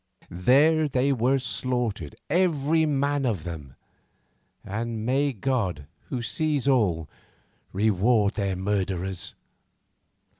There they were slaughtered every man of them, and may God, who sees all, reward their murderers!